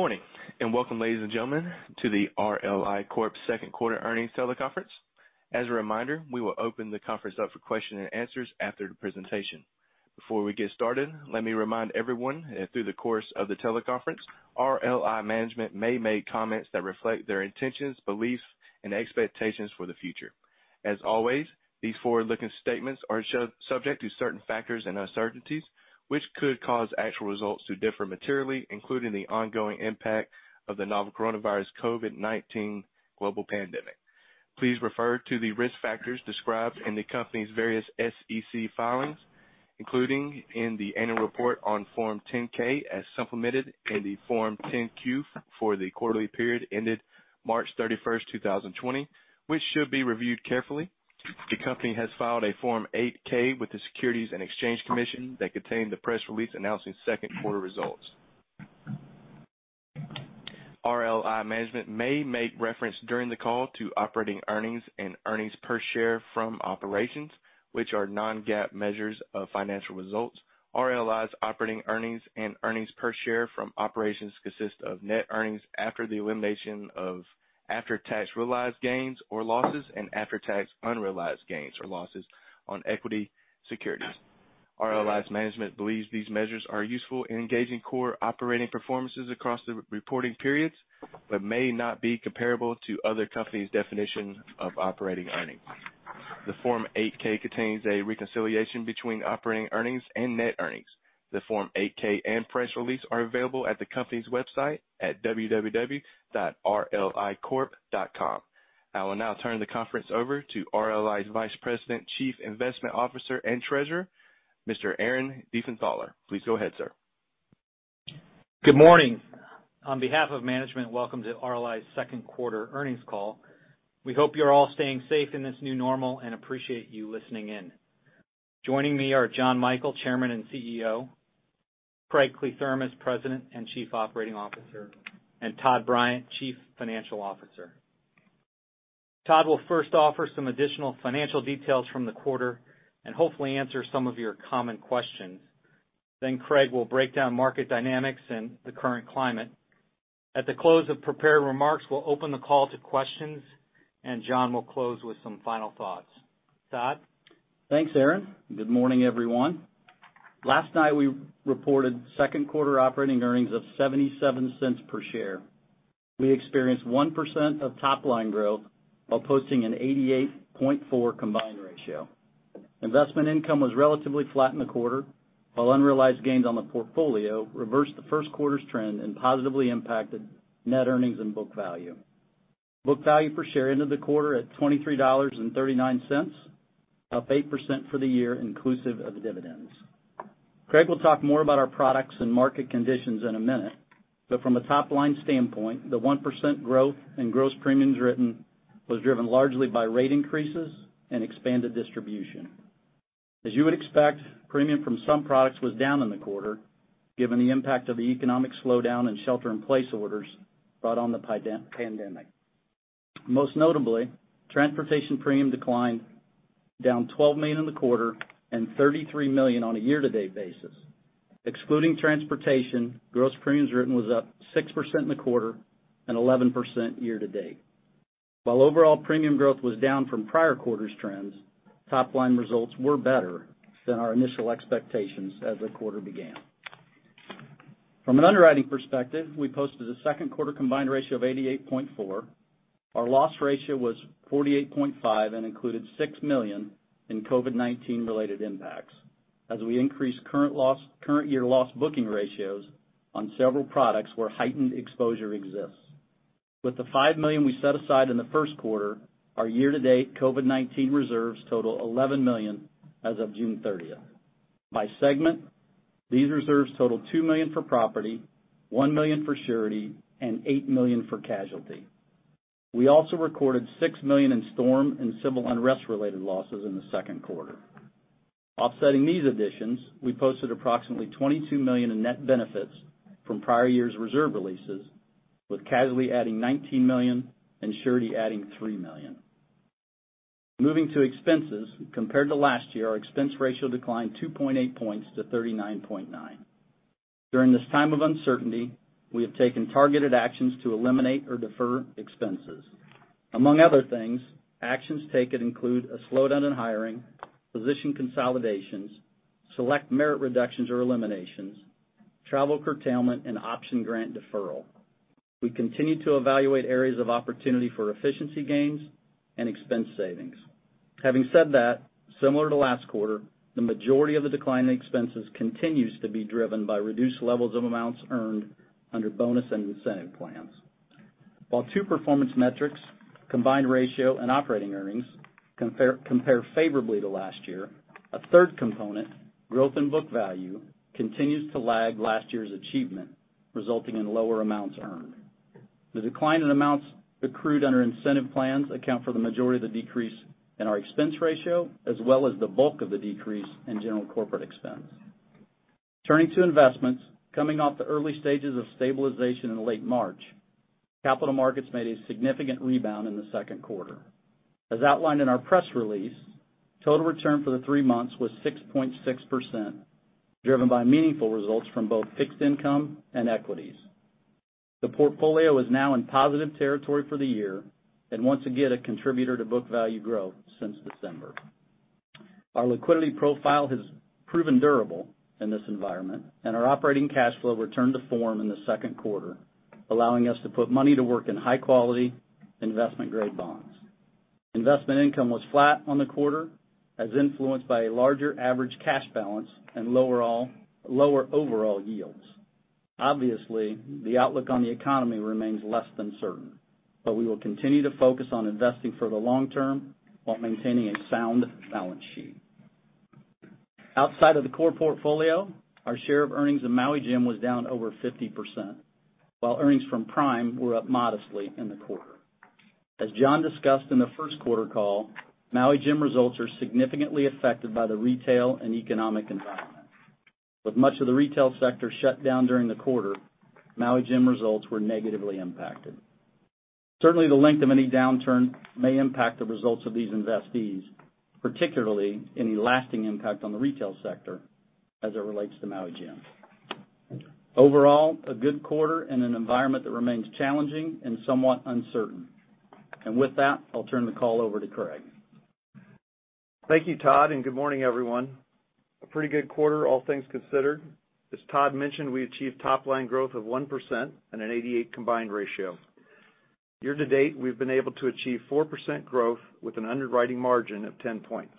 Morning, and welcome, ladies and gentlemen, to the RLI Corp. Second Quarter Earnings Teleconference. As a reminder, we will open the conference up for question and answers after the presentation. Before we get started, let me remind everyone that through the course of the teleconference, RLI management may make comments that reflect their intentions, beliefs, and expectations for the future. As always, these forward-looking statements are subject to certain factors and uncertainties, which could cause actual results to differ materially, including the ongoing impact of the novel coronavirus COVID-19 global pandemic. Please refer to the risk factors described in the company's various SEC filings, including in the annual report on Form 10-K as supplemented in the Form 10-Q for the quarterly period ended March 31st, 2020, which should be reviewed carefully. The company has filed a Form 8-K with the Securities and Exchange Commission that contained the press release announcing second quarter results. RLI management may make reference during the call to operating earnings and earnings per share from operations, which are non-GAAP measures of financial results. RLI's operating earnings and earnings per share from operations consist of net earnings after the elimination of after-tax realized gains or losses and after-tax unrealized gains or losses on equity securities. RLI's management believes these measures are useful in engaging core operating performances across the reporting periods but may not be comparable to other companies' definition of operating earnings. The Form 8-K contains a reconciliation between operating earnings and net earnings. The Form 8-K and press release are available at the company's website at www.rlicorp.com. I will now turn the conference over to RLI's Vice President, Chief Investment Officer, and Treasurer, Mr. Aaron Diefenthaler. Please go ahead, sir. Good morning. On behalf of management, welcome to RLI's second quarter earnings call. We hope you're all staying safe in this new normal and appreciate you listening in. Joining me are Jonathan Michael, Chairman and CEO; Craig Kliethermes, President and Chief Operating Officer; and Todd Bryant, Chief Financial Officer. Todd will first offer some additional financial details from the quarter and hopefully answer some of your common questions. Craig will break down market dynamics and the current climate. At the close of prepared remarks, we'll open the call to questions, and John will close with some final thoughts. Todd? Thanks, Aaron. Good morning, everyone. Last night, we reported second quarter operating earnings of $0.77 per share. We experienced 1% of top-line growth while posting an 88.4 combined ratio. Investment income was relatively flat in the quarter, while unrealized gains on the portfolio reversed the first quarter's trend and positively impacted net earnings and book value. Book value per share ended the quarter at $23.39, up 8% for the year inclusive of dividends. Craig will talk more about our products and market conditions in a minute, but from a top-line standpoint, the 1% growth in gross premiums written was driven largely by rate increases and expanded distribution. As you would expect, premium from some products was down in the quarter given the impact of the economic slowdown and shelter-in-place orders brought on the pandemic. Most notably, transportation premium declined down $12 million in the quarter and $33 million on a year to date basis. Excluding transportation, gross premiums written was up 6% in the quarter and 11% year to date. While overall premium growth was down from prior quarters trends, top-line results were better than our initial expectations as the quarter began. From an underwriting perspective, we posted a second quarter combined ratio of 88.4. Our loss ratio was 48.5 and included $6 million in COVID-19 related impacts as we increased current year loss booking ratios on several products where heightened exposure exists. With the $5 million we set aside in the first quarter, our year to date COVID-19 reserves total $11 million as of June 30th. By segment, these reserves totaled $2 million for property, $1 million for surety, and $8 million for casualty. We also recorded $6 million in storm and civil unrest related losses in the second quarter. Offsetting these additions, we posted approximately $22 million in net benefits from prior year's reserve releases, with casualty adding $19 million and surety adding $3 million. Moving to expenses, compared to last year, our expense ratio declined 2.8 points to 39.9. During this time of uncertainty, we have taken targeted actions to eliminate or defer expenses. Among other things, actions taken include a slowdown in hiring, position consolidations, select merit reductions or eliminations, travel curtailment, and option grant deferral. We continue to evaluate areas of opportunity for efficiency gains and expense savings. Having said that, similar to last quarter, the majority of the decline in expenses continues to be driven by reduced levels of amounts earned under bonus and incentive plans. While two performance metrics, combined ratio and operating earnings, compare favorably to last year, a third component, growth in book value, continues to lag last year's achievement, resulting in lower amounts earned. The decline in amounts accrued under incentive plans account for the majority of the decrease in our expense ratio, as well as the bulk of the decrease in general corporate expense. Turning to investments, coming off the early stages of stabilization in late March, capital markets made a significant rebound in the second quarter. As outlined in our press release, total return for the three months was 6.6%, driven by meaningful results from both fixed income and equities. The portfolio is now in positive territory for the year, and once again, a contributor to book value growth since December. Our liquidity profile has proven durable in this environment, and our operating cash flow returned to form in the second quarter, allowing us to put money to work in high-quality investment-grade bonds. Investment income was flat on the quarter as influenced by a larger average cash balance and lower overall yields. Obviously, the outlook on the economy remains less than certain. We will continue to focus on investing for the long term while maintaining a sound balance sheet. Outside of the core portfolio, our share of earnings in Maui Jim was down over 50%, while earnings from Prime were up modestly in the quarter. As John discussed in the first quarter call, Maui Jim results are significantly affected by the retail and economic environment. With much of the retail sector shut down during the quarter, Maui Jim results were negatively impacted. Certainly, the length of any downturn may impact the results of these investees, particularly any lasting impact on the retail sector as it relates to Maui Jim. Overall, a good quarter in an environment that remains challenging and somewhat uncertain. With that, I'll turn the call over to Craig. Thank you, Todd, and good morning, everyone. A pretty good quarter, all things considered. As Todd mentioned, we achieved top line growth of 1% and an 88 combined ratio. Year to date, we've been able to achieve 4% growth with an underwriting margin of 10 points.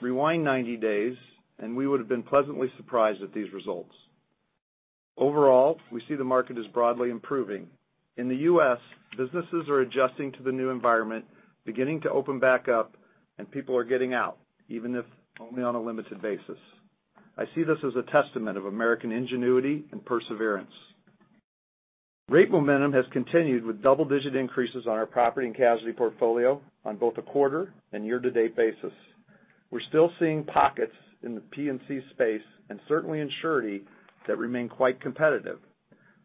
Rewind 90 days, we would've been pleasantly surprised at these results. Overall, we see the market as broadly improving. In the U.S., businesses are adjusting to the new environment, beginning to open back up, and people are getting out, even if only on a limited basis. I see this as a testament of American ingenuity and perseverance. Rate momentum has continued with double-digit increases on our property and casualty portfolio on both a quarter and year-to-date basis. We're still seeing pockets in the P&C space and certainly in surety that remain quite competitive.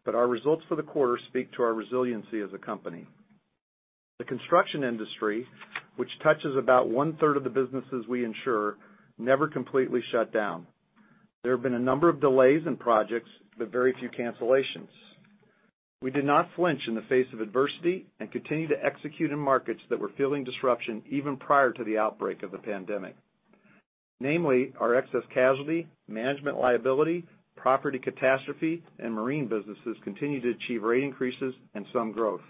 Our results for the quarter speak to our resiliency as a company. The construction industry, which touches about one-third of the businesses we insure, never completely shut down. There have been a number of delays in projects, but very few cancellations. We did not flinch in the face of adversity and continue to execute in markets that were feeling disruption even prior to the outbreak of the pandemic. Namely, our excess casualty, management liability, property catastrophe, and marine businesses continue to achieve rate increases and some growth.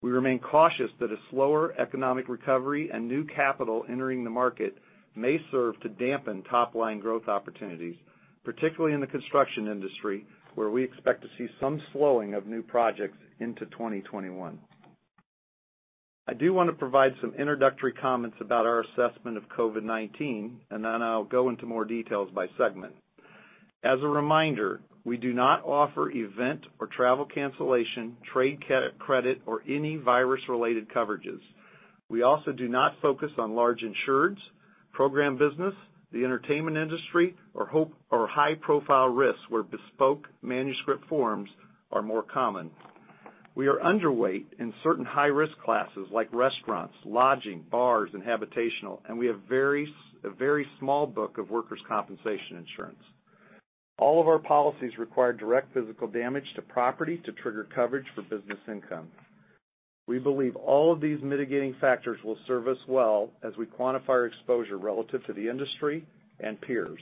We remain cautious that a slower economic recovery and new capital entering the market may serve to dampen top-line growth opportunities, particularly in the construction industry, where we expect to see some slowing of new projects into 2021. I do want to provide some introductory comments about our assessment of COVID-19, then I'll go into more details by segment. As a reminder, we do not offer event or travel cancellation, trade credit, or any virus-related coverages. We also do not focus on large insureds, program business, the entertainment industry, or high-profile risks where bespoke manuscript forms are more common. We are underweight in certain high-risk classes like restaurants, lodging, bars, and habitational, and we have a very small book of workers' compensation insurance. All of our policies require direct physical damage to property to trigger coverage for business income. We believe all of these mitigating factors will serve us well as we quantify our exposure relative to the industry and peers.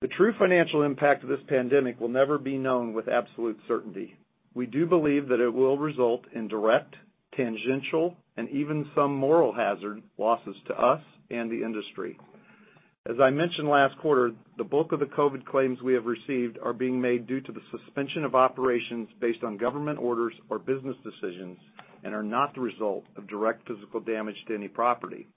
The true financial impact of this pandemic will never be known with absolute certainty. We do believe that it will result in direct, tangential, and even some moral hazard losses to us and the industry. As I mentioned last quarter, the bulk of the COVID claims we have received are being made due to the suspension of operations based on government orders or business decisions and are not the result of direct physical damage to any property.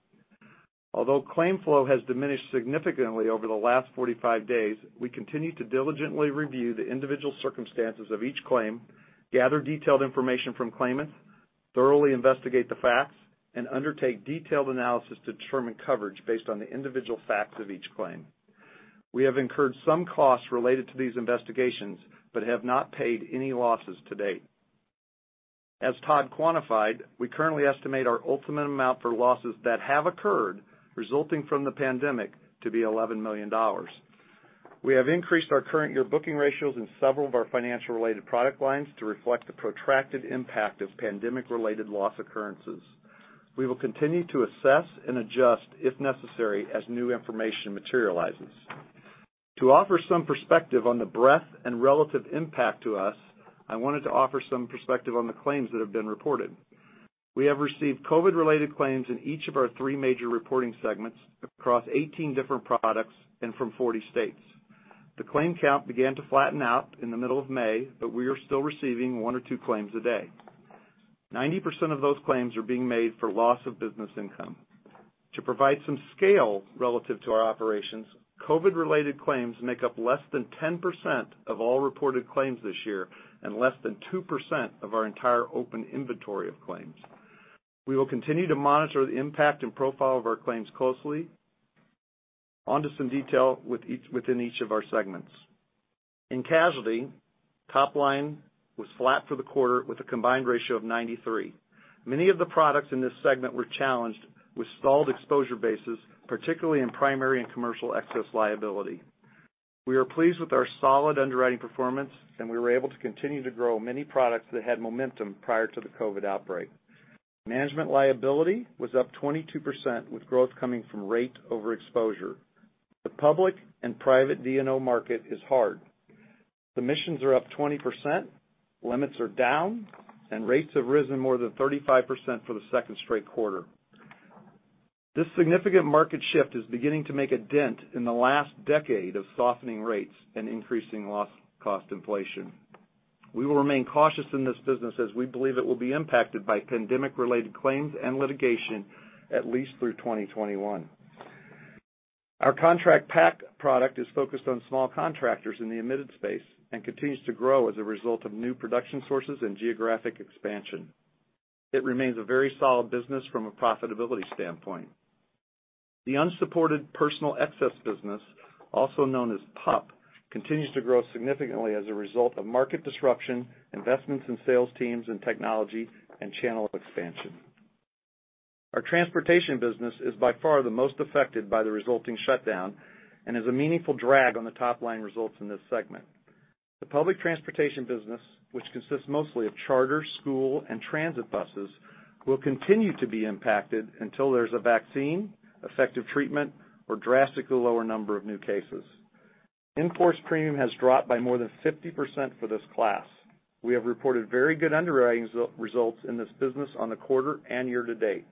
Although claim flow has diminished significantly over the last 45 days, we continue to diligently review the individual circumstances of each claim, gather detailed information from claimants, thoroughly investigate the facts, and undertake detailed analysis to determine coverage based on the individual facts of each claim. We have incurred some costs related to these investigations but have not paid any losses to date. As Todd quantified, we currently estimate our ultimate amount for losses that have occurred resulting from the pandemic to be $11 million. We have increased our current year booking ratios in several of our financial-related product lines to reflect the protracted impact of pandemic-related loss occurrences. We will continue to assess and adjust if necessary as new information materializes. To offer some perspective on the breadth and relative impact to us, I wanted to offer some perspective on the claims that have been reported. We have received COVID-related claims in each of our three major reporting segments across 18 different products and from 40 states. The claim count began to flatten out in the middle of May, we are still receiving one or two claims a day. 90% of those claims are being made for loss of business income. To provide some scale relative to our operations, COVID-related claims make up less than 10% of all reported claims this year and less than 2% of our entire open inventory of claims. We will continue to monitor the impact and profile of our claims closely. Onto some detail within each of our segments. In casualty, top line was flat for the quarter with a combined ratio of 93. Many of the products in this segment were challenged with stalled exposure bases, particularly in primary and commercial excess liability. We are pleased with our solid underwriting performance, and we were able to continue to grow many products that had momentum prior to the COVID outbreak. Management liability was up 22% with growth coming from rate over exposure. The public and private D&O market is hard. Submissions are up 20%, limits are down, and rates have risen more than 35% for the second straight quarter. This significant market shift is beginning to make a dent in the last decade of softening rates and increasing loss cost inflation. We will remain cautious in this business as we believe it will be impacted by pandemic-related claims and litigation at least through 2021. Our Contrac Pac product is focused on small contractors in the admitted space and continues to grow as a result of new production sources and geographic expansion. It remains a very solid business from a profitability standpoint. The unsupported personal excess business, also known as PUP, continues to grow significantly as a result of market disruption, investments in sales teams and technology, and channel expansion. Our transportation business is by far the most affected by the resulting shutdown and is a meaningful drag on the top-line results in this segment. The public transportation business, which consists mostly of charter, school, and transit buses, will continue to be impacted until there's a vaccine, effective treatment, or drastically lower number of new cases. In-force premium has dropped by more than 50% for this class. We have reported very good underwriting results in this business on the quarter and year-to-date.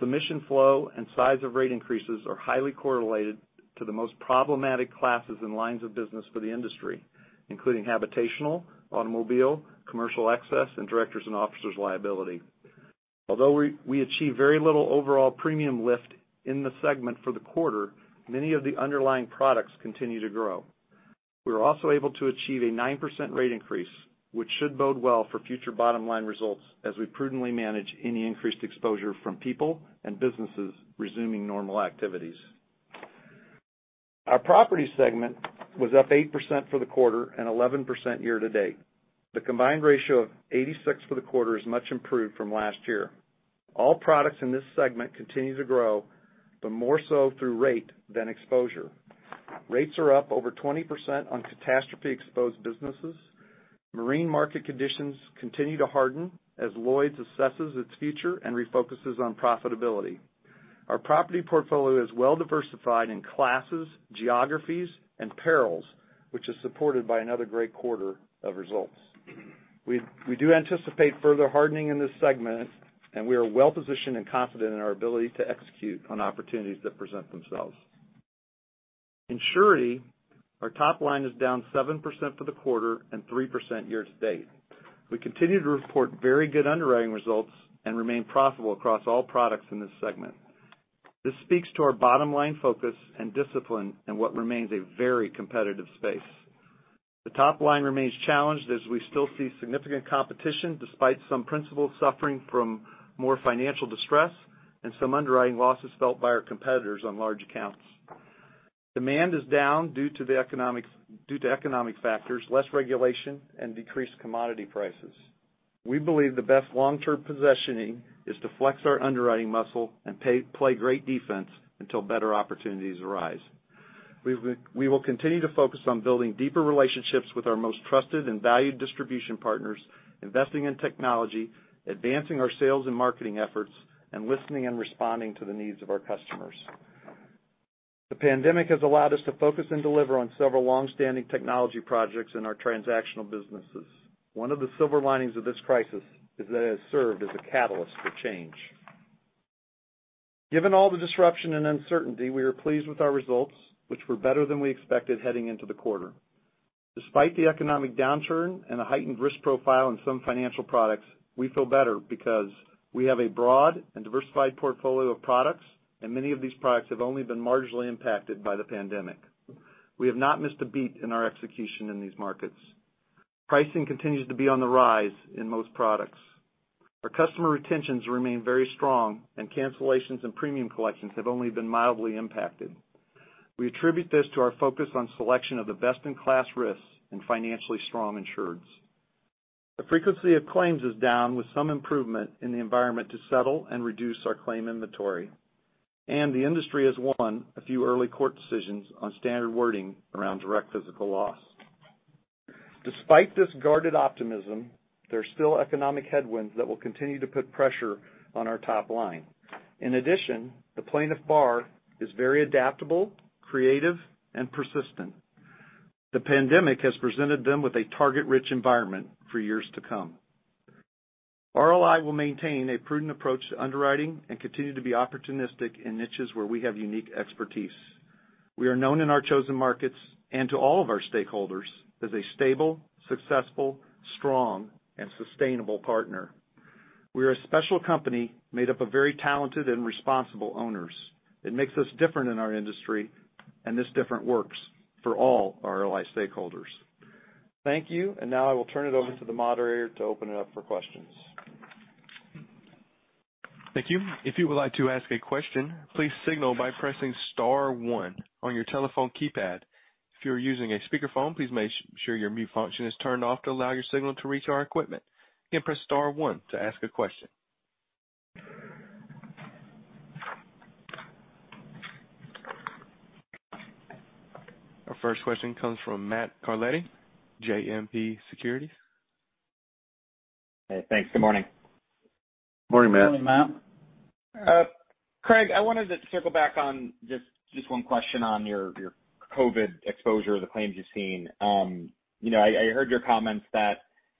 Submission flow and size of rate increases are highly correlated to the most problematic classes and lines of business for the industry, including habitational, automobile, commercial excess, and directors and officers' liability. Our team is working closely with our customers and making sure they know we are in this with them for the long haul. Rate increases continue in casualty overall. Although we achieve very little overall premium lift in the segment for the quarter, many of the underlying products continue to grow. We were also able to achieve a 9% rate increase, which should bode well for future bottom-line results as we prudently manage any increased exposure from people and businesses resuming normal activities. Our property segment was up 8% for the quarter and 11% year-to-date. The combined ratio of 86 for the quarter is much improved from last year. All products in this segment continue to grow, but more so through rate than exposure. Rates are up over 20% on catastrophe-exposed businesses. Marine market conditions continue to harden as Lloyd's assesses its future and refocuses on profitability. Our property portfolio is well diversified in classes, geographies, and perils, which is supported by another great quarter of results. We do anticipate further hardening in this segment. We are well positioned and confident in our ability to execute on opportunities that present themselves. In surety, our top-line is down 7% for the quarter and 3% year-to-date. We continue to report very good underwriting results and remain profitable across all products in this segment. This speaks to our bottom-line focus and discipline in what remains a very competitive space. The top-line remains challenged as we still see significant competition despite some principals suffering from more financial distress and some underwriting losses felt by our competitors on large accounts. Demand is down due to economic factors, less regulation, and decreased commodity prices. We believe the best long-term positioning is to flex our underwriting muscle and play great defense until better opportunities arise. We will continue to focus on building deeper relationships with our most trusted and valued distribution partners, investing in technology, advancing our sales and marketing efforts, and listening and responding to the needs of our customers. The pandemic has allowed us to focus and deliver on several long-standing technology projects in our transactional businesses. One of the silver linings of this crisis is that it has served as a catalyst for change. Given all the disruption and uncertainty, we are pleased with our results, which were better than we expected heading into the quarter. Despite the economic downturn and a heightened risk profile in some financial products, we feel better because we have a broad and diversified portfolio of products, and many of these products have only been marginally impacted by the pandemic. We have not missed a beat in our execution in these markets. Pricing continues to be on the rise in most products. Our customer retentions remain very strong, and cancellations and premium collections have only been mildly impacted. We attribute this to our focus on selection of the best-in-class risks and financially strong insureds. The frequency of claims is down with some improvement in the environment to settle and reduce our claim inventory. The industry has won a few early court decisions on standard wording around direct physical loss. Despite this guarded optimism, there's still economic headwinds that will continue to put pressure on our top line. In addition, the plaintiff bar is very adaptable, creative, and persistent. The pandemic has presented them with a target-rich environment for years to come. RLI will maintain a prudent approach to underwriting and continue to be opportunistic in niches where we have unique expertise. We are known in our chosen markets and to all of our stakeholders as a stable, successful, strong, and sustainable partner. We're a special company made up of very talented and responsible owners. It makes us different in our industry, and this different works for all our RLI stakeholders. Thank you, and now I will turn it over to the moderator to open it up for questions. Thank you. If you would like to ask a question, please signal by pressing star one on your telephone keypad. If you're using a speakerphone, please make sure your mute function is turned off to allow your signal to reach our equipment. Again, press star one to ask a question. Our first question comes from Matthew Carletti, JMP Securities. Hey, thanks. Good morning. Morning, Matt. Morning, Matt. Craig, I wanted to circle back on just one question on your COVID exposure, the claims you've seen. I heard your comments that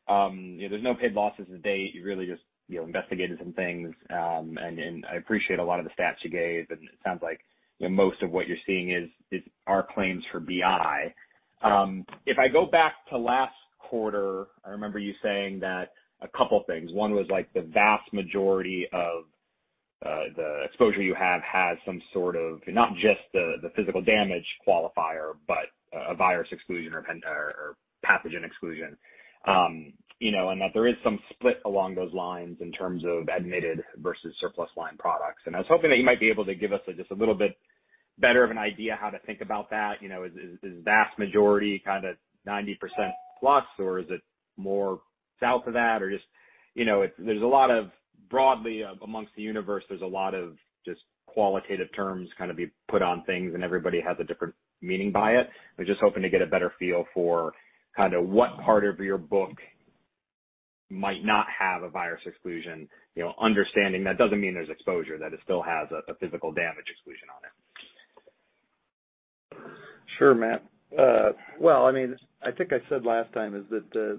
there's no paid losses to date. You really just investigated some things. I appreciate a lot of the stats you gave, and it sounds like most of what you're seeing are claims for BI. If I go back to last quarter, I remember you saying that a couple things. One was the vast majority of the exposure you have has some sort of, not just the physical damage qualifier, but a virus exclusion or pathogen exclusion. That there is some split along those lines in terms of admitted versus surplus line products. I was hoping that you might be able to give us just a little bit better of an idea how to think about that. Is vast majority kind of 90% plus, or is it more south of that? Broadly amongst the universe, there's a lot of just qualitative terms kind of being put on things, and everybody has a different meaning by it. I was just hoping to get a better feel for what part of your book might not have a virus exclusion, understanding that doesn't mean there's exposure, that it still has a physical damage exclusion on it. Sure, Matt. Well, I think I said last time is that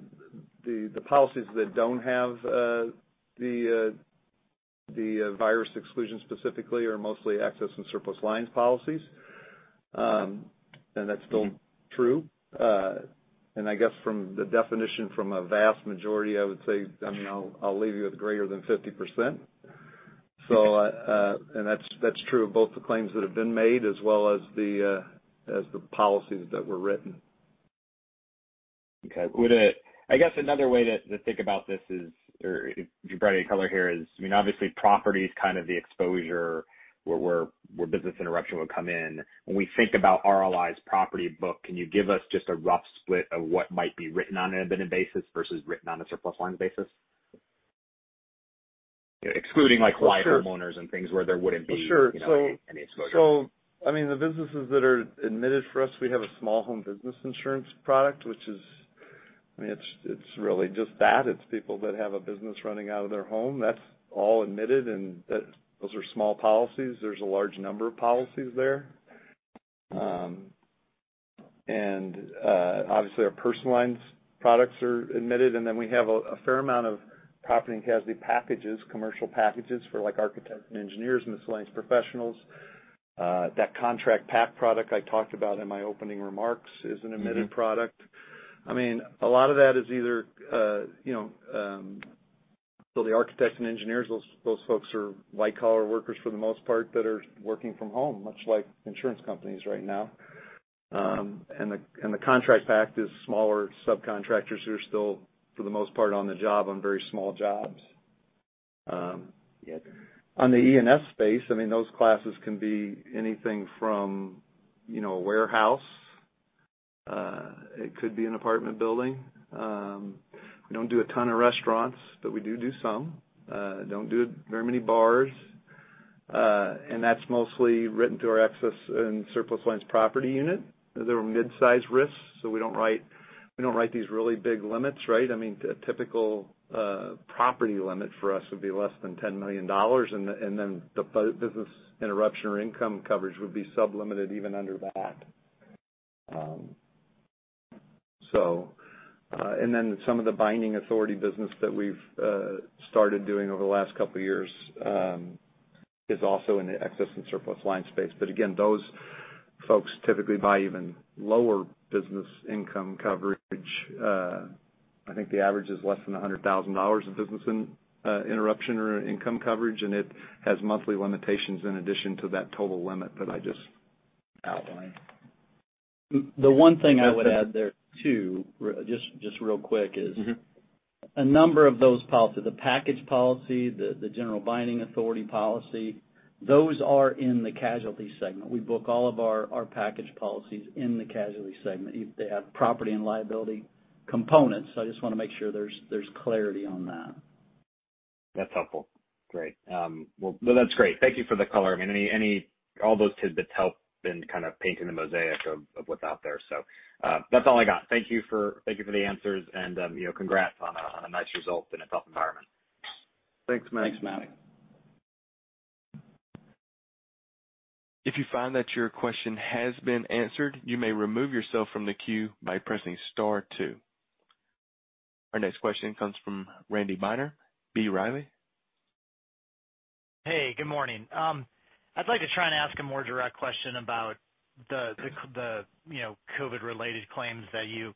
the policies that don't have the virus exclusion specifically are mostly excess and surplus lines policies. That's still true. I guess from the definition from a vast majority, I would say, I'll leave you with greater than 50%. That's true of both the claims that have been made as well as the policies that were written. Okay. I guess another way to think about this is, or if you provide any color here is, obviously property is kind of the exposure where business interruption would come in. When we think about RLI's property book, can you give us just a rough split of what might be written on an admitted basis versus written on a surplus lines basis? Excluding like live homeowners and things where there wouldn't be any exposure. The businesses that are admitted for us, we have a small home business insurance product, which is really just that. It's people that have a business running out of their home. That's all admitted, and those are small policies. There's a large number of policies there. Obviously our personal lines products are admitted, and then we have a fair amount of property and casualty packages, commercial packages for architects and engineers, miscellaneous professionals. That Contrac Pac product I talked about in my opening remarks is an admitted product. A lot of that is the architects and engineers, those folks are white-collar workers for the most part, that are working from home, much like insurance companies right now. The Contrac Pac is smaller subcontractors who are still, for the most part, on the job on very small jobs. Yes. On the E&S space, those classes can be anything from a warehouse. It could be an apartment building. We don't do a ton of restaurants, but we do do some. Don't do very many bars. That's mostly written through our excess and surplus lines property unit. Those are mid-size risks, so we don't write these really big limits, right? A typical property limit for us would be less than $10 million. Then the business interruption or income coverage would be sub-limited even under that. Then some of the binding authority business that we've started doing over the last couple of years is also in the excess and surplus line space. Again, those folks typically buy even lower business income coverage. I think the average is less than $100,000 of business interruption or income coverage, and it has monthly limitations in addition to that total limit that I just outlined. The one thing I would add there too, just real quick, is a number of those policies, the package policy, the general binding authority policy, those are in the casualty segment. We book all of our package policies in the casualty segment. They have property and liability components. I just want to make sure there's clarity on that. That's helpful. Great. That's great. Thank you for the color. All those tidbits help in kind of painting the mosaic of what's out there. That's all I got. Thank you for the answers, and congrats on a nice result in a tough environment. Thanks, Matt. Thanks, Matt. If you find that your question has been answered, you may remove yourself from the queue by pressing star two. Our next question comes from Randy Binner, B. Riley. Hey, good morning. I'd like to try and ask a more direct question about the COVID-related claims that you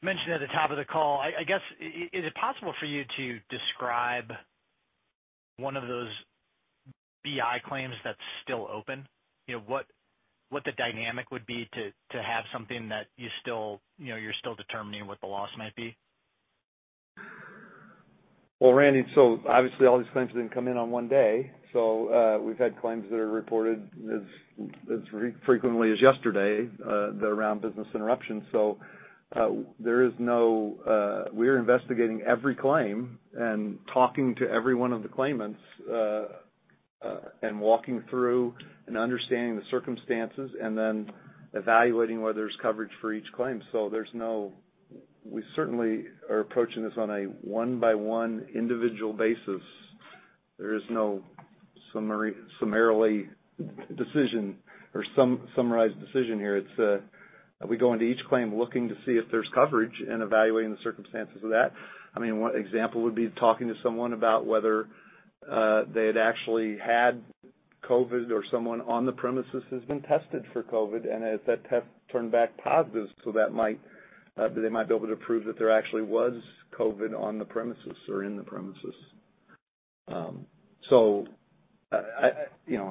mentioned at the top of the call. I guess, is it possible for you to describe one of those BI claims that's still open? What the dynamic would be to have something that you're still determining what the loss might be? Well, Randy, so obviously all these claims didn't come in on one day. We've had claims that are reported as frequently as yesterday around business interruption. We are investigating every claim and talking to every one of the claimants, and walking through and understanding the circumstances, and then evaluating whether there's coverage for each claim. We certainly are approaching this on a one-by-one individual basis. There is no summarily decision or summarized decision here. We go into each claim looking to see if there's coverage and evaluating the circumstances of that. One example would be talking to someone about whether they had actually had COVID or someone on the premises has been tested for COVID, and if that test turned back positive, so they might be able to prove that there actually was COVID on the premises or in the premises.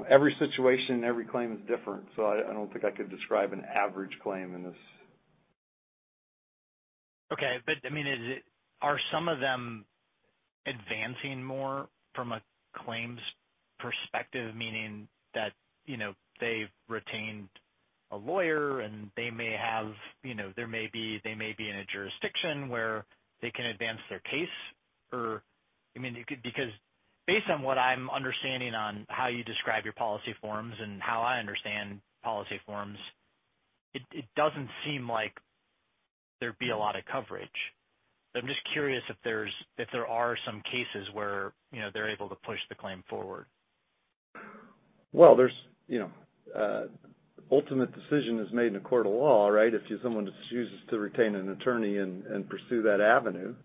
Every situation, every claim is different, so I don't think I could describe an average claim in this. Okay. Are some of them advancing more from a claims perspective, meaning that they've retained a lawyer and they may be in a jurisdiction where they can advance their case? Because based on what I'm understanding on how you describe your policy forms and how I understand policy forms, it doesn't seem like there'd be a lot of coverage. I'm just curious if there are some cases where they're able to push the claim forward. Well, ultimate decision is made in a court of law, right? If someone chooses to retain an attorney and pursue that avenue.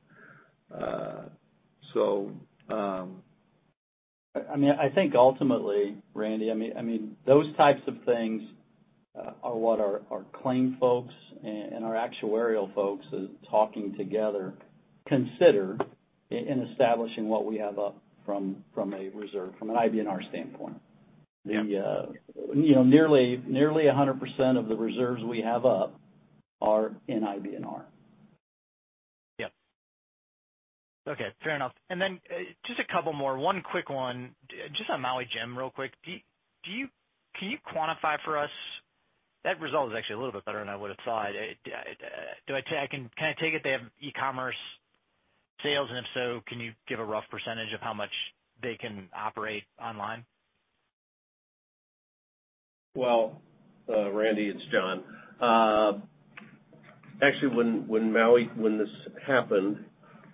I think ultimately, Randy, those types of things are what our claim folks and our actuarial folks talking together consider in establishing what we have up from a reserve, from an IBNR standpoint. Yeah. Nearly 100% of the reserves we have up are in IBNR. Yep. Okay. Fair enough. Just a couple more. One quick one, just on Maui Jim real quick. Can you quantify for us, that result is actually a little bit better than I would've thought. Can I take it they have e-commerce sales, and if so, can you give a rough % of how much they can operate online? Well, Randy, it's John. Actually, when this happened,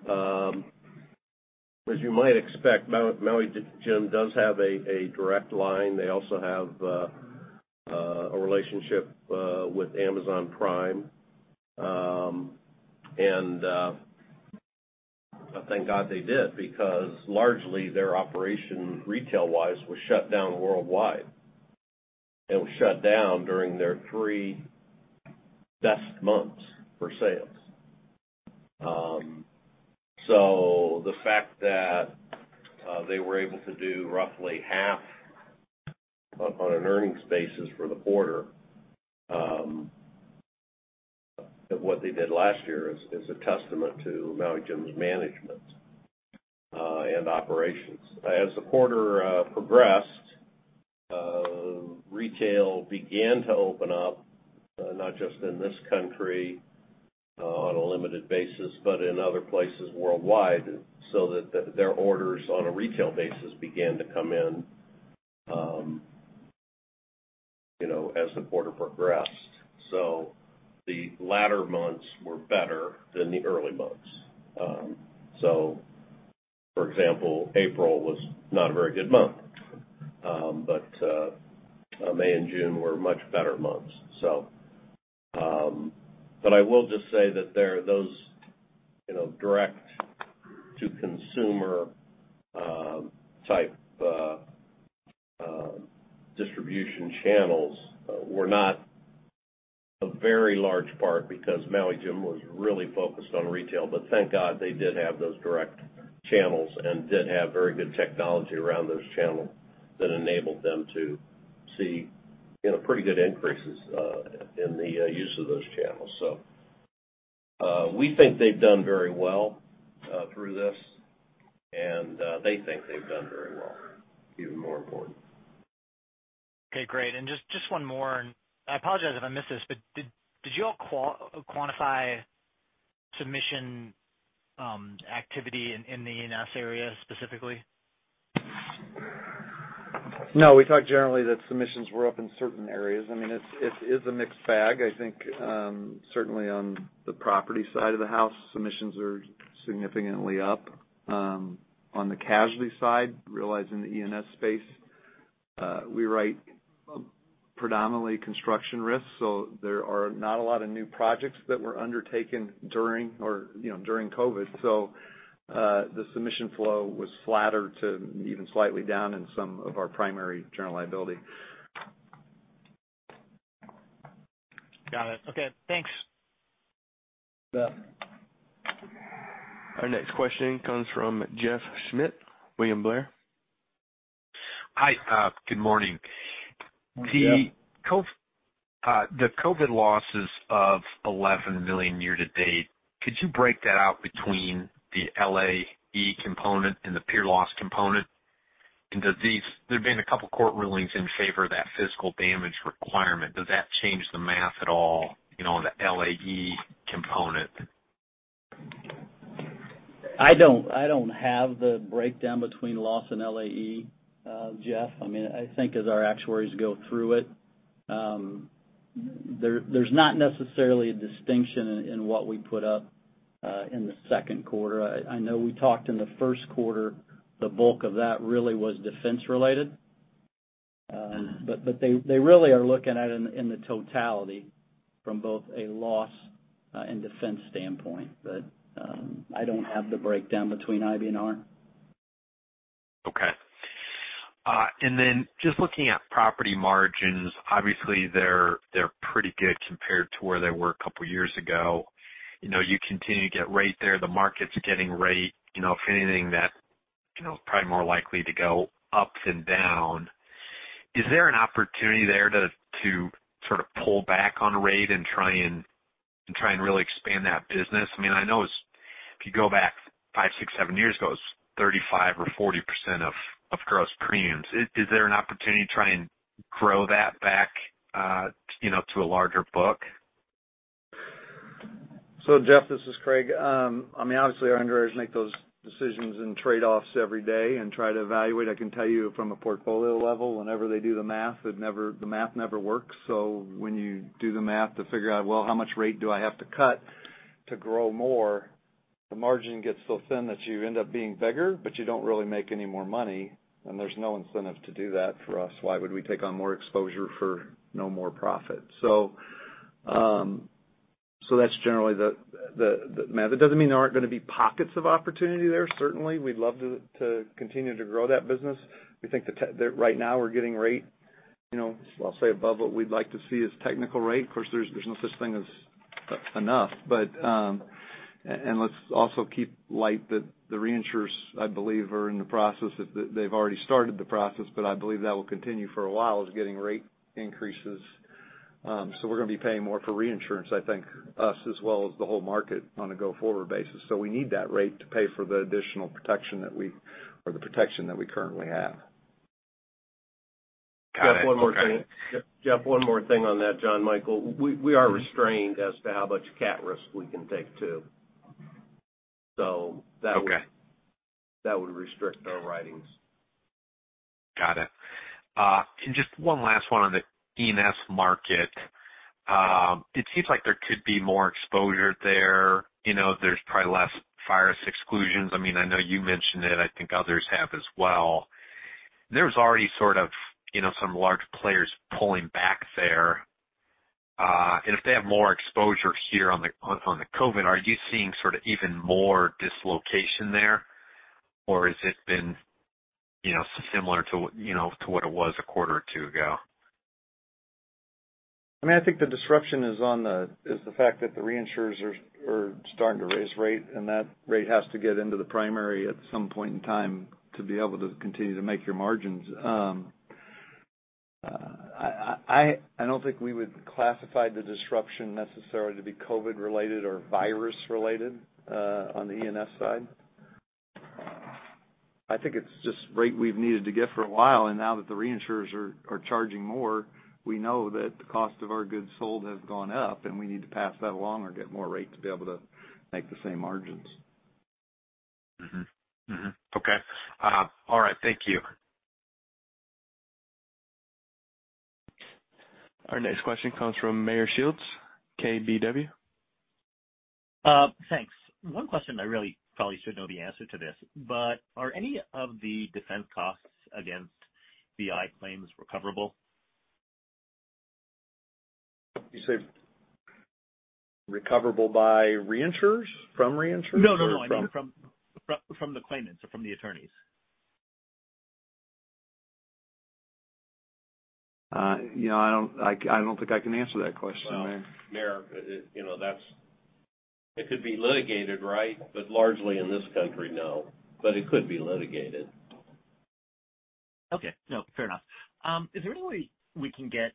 as you might expect, Maui Jim does have a direct line. They also have a relationship with Amazon Prime. Thank God they did, because largely their operation, retail-wise, was shut down worldwide. It was shut down during their three best months for sales. The fact that they were able to do roughly half on an earnings basis for the quarter of what they did last year is a testament to Maui Jim's management and operations. As the quarter progressed, retail began to open up, not just in this country on a limited basis, but in other places worldwide, that their orders on a retail basis began to come in as the quarter progressed. The latter months were better than the early months. For example, April was not a very good month. May and June were much better months. I will just say that those direct-to-consumer type distribution channels were not a very large part because Maui Jim was really focused on retail. Thank God they did have those direct channels and did have very good technology around those channels that enabled them to see pretty good increases in the use of those channels. We think they've done very well through this, and they think they've done very well, even more important. Okay, great. Just one more. I apologize if I missed this. Did you all quantify submission activity in the E&S area specifically? No, we thought generally that submissions were up in certain areas. It is a mixed bag. I think certainly on the property side of the house, submissions are significantly up. On the casualty side, realizing the E&S space. We write predominantly construction risks. There are not a lot of new projects that were undertaken during COVID. The submission flow was flatter to even slightly down in some of our primary general liability. Got it. Okay, thanks. Yeah. Our next question comes from Jeff Schmitt, William Blair. Hi, good morning. Morning, Jeff. The COVID-19 losses of $11 million year-to-date, could you break that out between the LAE component and the pure loss component? There've been a couple of court rulings in favor of that physical damage requirement. Does that change the math at all, on the LAE component? I don't have the breakdown between loss and LAE, Jeff. I think as our actuaries go through it, there's not necessarily a distinction in what we put up in the second quarter. I know we talked in the first quarter, the bulk of that really was defense related. They really are looking at it in the totality from both a loss and defense standpoint. I don't have the breakdown between IBNR. Okay. Just looking at property margins, obviously they're pretty good compared to where they were a couple of years ago. You continue to get rate there. The market's getting rate, if anything that's probably more likely to go up than down. Is there an opportunity there to sort of pull back on rate and try and really expand that business? I know if you go back five, six, seven years ago, it was 35% or 40% of gross premiums. Is there an opportunity to try and grow that back to a larger book? Jeff, this is Craig. Obviously our underwriters make those decisions and trade-offs every day and try to evaluate. I can tell you from a portfolio level, whenever they do the math, the math never works. When you do the math to figure out, well, how much rate do I have to cut to grow more, the margin gets so thin that you end up being bigger, but you don't really make any more money, and there's no incentive to do that for us. Why would we take on more exposure for no more profit? That's generally the math. It doesn't mean there aren't going to be pockets of opportunity there. Certainly, we'd love to continue to grow that business. We think that right now we're getting rate, I'll say above what we'd like to see as technical rate. Of course, there's no such thing as enough. Let's also keep light that the reinsurers, I believe, are in the process. They've already started the process, but I believe that will continue for a while, is getting rate increases. We're going to be paying more for reinsurance, I think us as well as the whole market on a go-forward basis. We need that rate to pay for the additional protection that we, or the protection that we currently have. Got it. Okay. Jeff, one more thing on that, John Michael. We are restrained as to how much cat risk we can take too. Okay. That would restrict our writings. Got it. Just one last one on the E&S market. It seems like there could be more exposure there. There's probably less virus exclusions. I know you mentioned it, I think others have as well. There's already sort of some large players pulling back there. If they have more exposure here on the COVID, are you seeing sort of even more dislocation there? Or has it been similar to what it was a quarter or two ago? I think the disruption is the fact that the reinsurers are starting to raise rate, and that rate has to get into the primary at some point in time to be able to continue to make your margins. I don't think we would classify the disruption necessarily to be COVID related or virus related, on the E&S side. I think it's just rate we've needed to get for a while, and now that the reinsurers are charging more, we know that the cost of our goods sold has gone up, and we need to pass that along or get more rate to be able to make the same margins. Mm-hmm. Okay. All right. Thank you. Our next question comes from Meyer Shields, KBW. Thanks. One question, I really probably should know the answer to this, but are any of the defense costs against the BI claims recoverable? You say recoverable by reinsurers? From reinsurers? No, no. I mean from the claimants or from the attorneys. I don't think I can answer that question, Meyer. Well, Meyer, it could be litigated, right? Largely in this country, no. It could be litigated. Okay. No, fair enough. Is there any way we can get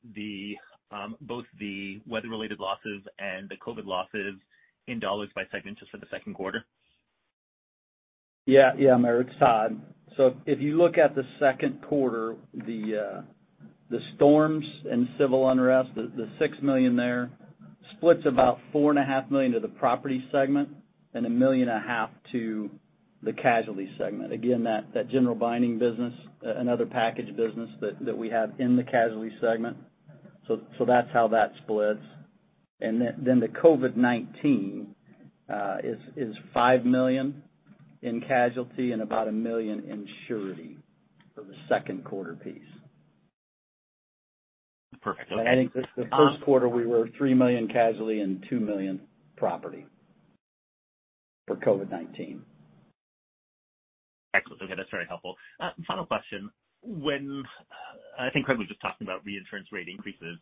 both the weather related losses and the COVID losses in dollars by segment just for the second quarter? Yeah, Meyer, it's Todd. If you look at the second quarter, the storms and civil unrest, the $6 million there splits about $4.5 million to the Property segment and $1.5 million to the Casualty segment. Again, that general binding business, another package business that we have in the Casualty segment. That's how that splits. The COVID-19 is $5 million in Casualty and about $1 million in Surety for the second quarter piece. Perfect. Okay. I think the first quarter we were $3 million casualty and $2 million property for COVID-19. Excellent. Okay, that's very helpful. Final question. I think Craig was just talking about reinsurance rate increases.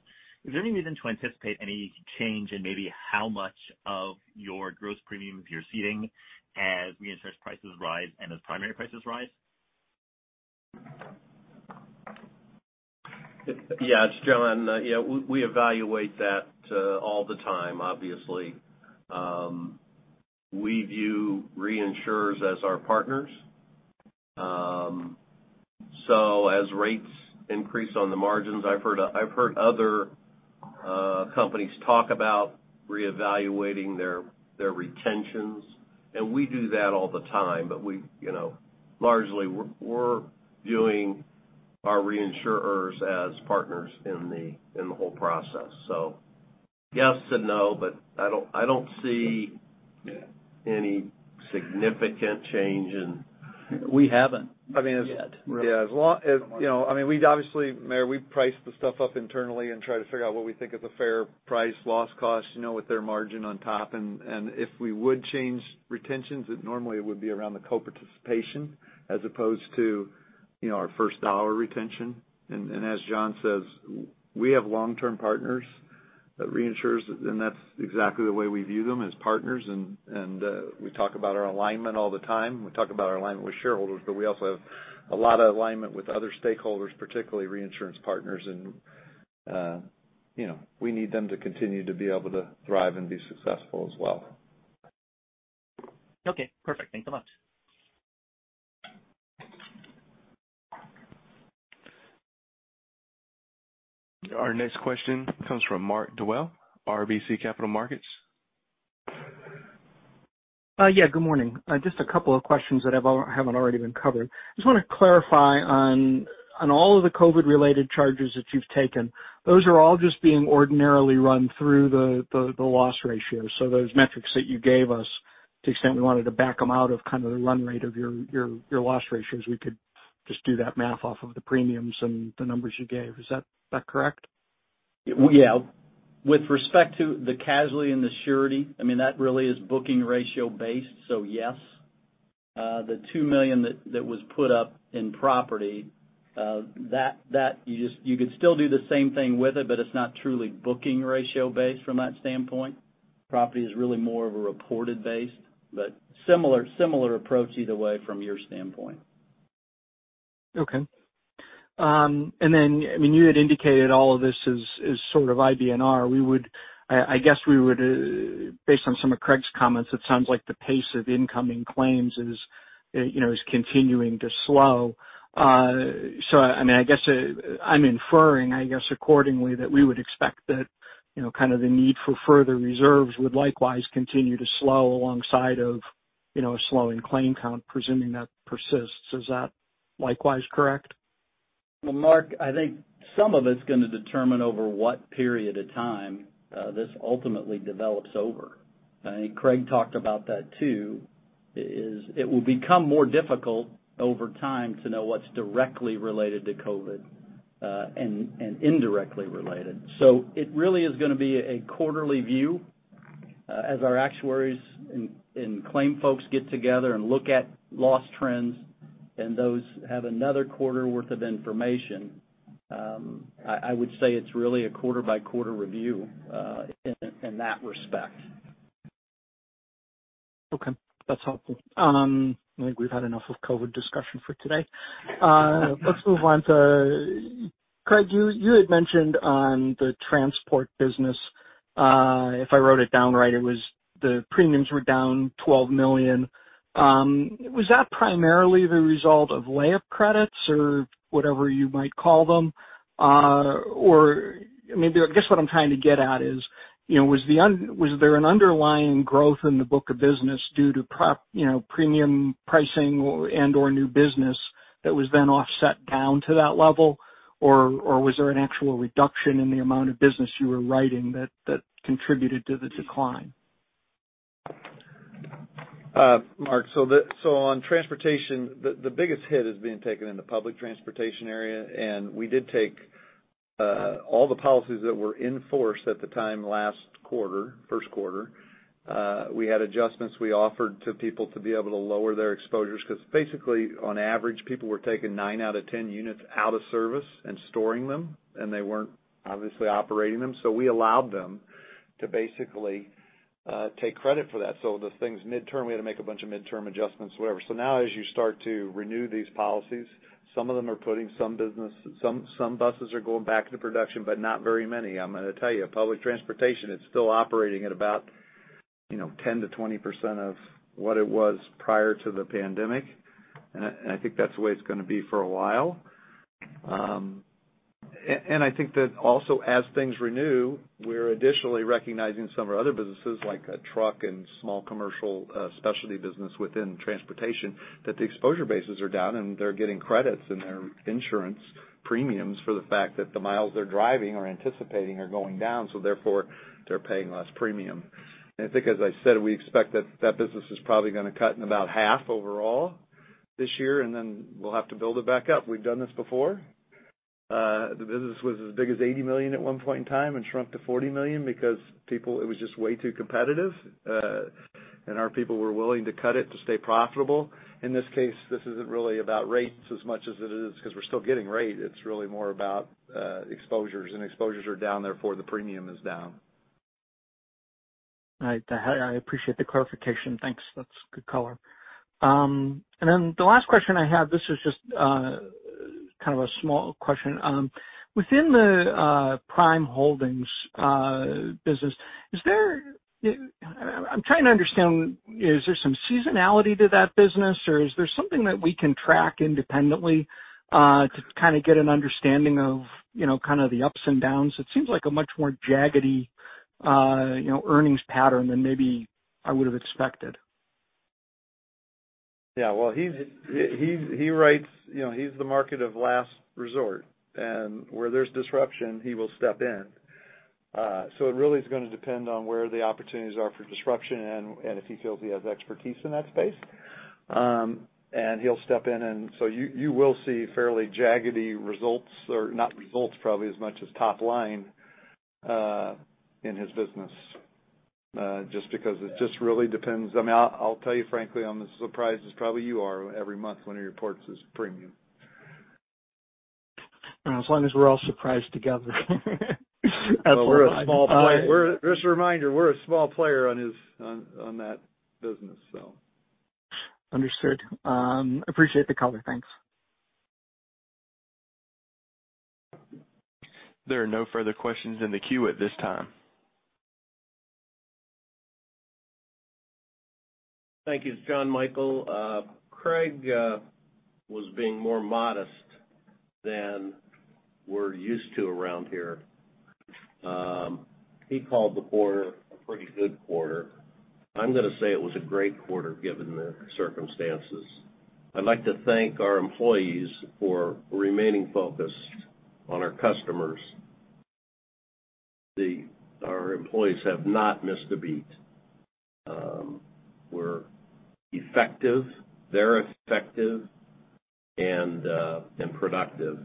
Is there any reason to anticipate any change in maybe how much of your gross premiums you're ceding as reinsurance prices rise and as primary prices rise? Yeah, it's John. We evaluate that all the time, obviously. We view reinsurers as our partners. As rates increase on the margins, I've heard other companies talk about reevaluating their retentions, and we do that all the time. Largely, we're viewing our reinsurers as partners in the whole process. Yes and no but i don't see any significant change in... We haven't yet, really. Obviously, Meyer, we price the stuff up internally and try to figure out what we think is a fair price loss cost with their margin on top. If we would change retentions, it normally would be around the co-participation as opposed to our first dollar retention. As Jon says, we have long-term partners, reinsurers, and that's exactly the way we view them, as partners, and we talk about our alignment all the time. We talk about our alignment with shareholders, we also have a lot of alignment with other stakeholders, particularly reinsurance partners, and we need them to continue to be able to thrive and be successful as well. Okay, perfect. Thank you much. Our next question comes from Mark Dwelle, RBC Capital Markets. Yeah, good morning. Just a couple of questions that haven't already been covered. Just want to clarify on all of the COVID-19-related charges that you've taken, those are all just being ordinarily run through the loss ratio. Those metrics that you gave us, to the extent we wanted to back them out of kind of the run rate of your loss ratios, we could just do that math off of the premiums and the numbers you gave. Is that correct? Yeah. With respect to the casualty and the surety, that really is booking ratio based, yes. The $2 million that was put up in property, you could still do the same thing with it's not truly booking ratio based from that standpoint. Property is really more of a reported based, similar approach either way from your standpoint. Okay. Then you had indicated all of this is sort of IBNR. Based on some of Craig's comments, it sounds like the pace of incoming claims is continuing to slow. I'm inferring, I guess accordingly, that we would expect that kind of the need for further reserves would likewise continue to slow alongside of a slow in claim count, presuming that persists. Is that likewise correct? Well, Mark, I think some of it's going to determine over what period of time this ultimately develops over. Craig talked about that, too, is it will become more difficult over time to know what's directly related to COVID-19, and indirectly related. It really is going to be a quarterly view as our actuaries and claim folks get together and look at loss trends, and those have another quarter worth of information. I would say it's really a quarter-by-quarter review in that respect. Okay, that's helpful. I think we've had enough of COVID discussion for today. Let's move on to Craig, you had mentioned on the transport business, if I wrote it down right, it was the premiums were down $12 million. Was that primarily the result of layup credits or whatever you might call them? Or maybe I guess what I'm trying to get at is, was there an underlying growth in the book of business due to premium pricing and/or new business that was then offset down to that level? Or was there an actual reduction in the amount of business you were writing that contributed to the decline? Mark, on transportation, the biggest hit is being taken in the public transportation area, and we did take all the policies that were in force at the time last quarter, first quarter. We had adjustments we offered to people to be able to lower their exposures because basically, on average, people were taking nine out of 10 units out of service and storing them, and they weren't obviously operating them. We allowed them to basically take credit for that. The things midterm, we had to make a bunch of midterm adjustments, whatever. Now as you start to renew these policies, some of them are putting some business, some buses are going back into production, but not very many. I'm going to tell you, public transportation, it's still operating at about 10%-20% of what it was prior to the pandemic. I think that's the way it's going to be for a while. I think that also as things renew, we're additionally recognizing some of our other businesses, like a truck and small commercial specialty business within transportation, that the exposure bases are down and they're getting credits in their insurance premiums for the fact that the miles they're driving or anticipating are going down, therefore, they're paying less premium. I think, as I said, we expect that that business is probably going to cut in about half overall this year, and then we'll have to build it back up. We've done this before. The business was as big as $80 million at one point in time and shrunk to $40 million because it was just way too competitive, and our people were willing to cut it to stay profitable. In this case, this isn't really about rates as much as it is because we're still getting rate. It's really more about exposures, and exposures are down, therefore the premium is down. Right. I appreciate the clarification. Thanks. That's good color. The last question I have, this is just kind of a small question. Within the Prime Holdings business, I'm trying to understand, is there some seasonality to that business or is there something that we can track independently to kind of get an understanding of the ups and downs? It seems like a much more jaggedy earnings pattern than maybe I would have expected. Yeah. Well, he's the market of last resort, and where there's disruption, he will step in. It really is going to depend on where the opportunities are for disruption and if he feels he has expertise in that space. He'll step in you will see fairly jaggedy results, or not results probably as much as top line, in his business, just because it just really depends. I'll tell you frankly, I'm as surprised as probably you are every month when he reports his premium. As long as we're all surprised together. Just a reminder, we're a small player on that business. Understood. Appreciate the color. Thanks. There are no further questions in the queue at this time. Thank you, Jonathan Michael. Craig was being more modest than we're used to around here. He called the quarter a pretty good quarter. I'm going to say it was a great quarter, given the circumstances. I'd like to thank our employees for remaining focused on our customers. Our employees have not missed a beat. We're effective. They're effective and productive.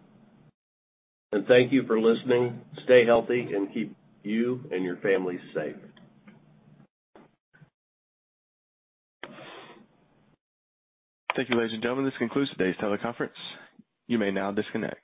Thank you for listening. Stay healthy and keep you and your family safe. Thank you, ladies and gentlemen. This concludes today's teleconference. You may now disconnect.